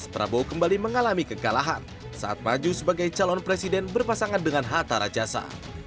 prabowo kembali mengalami kekalahan saat maju sebagai calon presiden berpasangan dengan hatta rajasa